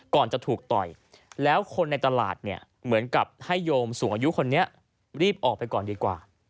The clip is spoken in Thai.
ก่อนจะถูกต่อยแล้วคนในตลาดเนี่ยเหมือนกับให้โยมสูงอายุคนนี้รีบออกไปก่อนดีกว่า